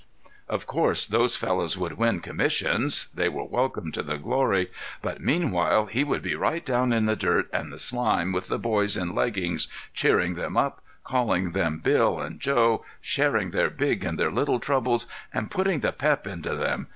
Of course those fellows would win commissions—they were welcome to the glory—but meanwhile he would be right down in the dirt and the slime with the boys in leggings, cheering them up, calling them "Bill" and "Joe," sharing their big and their little troubles, and putting the pep into them.